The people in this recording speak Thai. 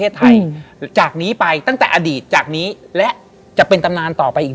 เสียงหมา